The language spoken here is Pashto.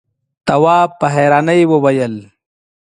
تواب په حيرانی وويل: